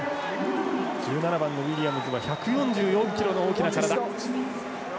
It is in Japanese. １７番のウィリアムズは１４４ｋｇの大きな体。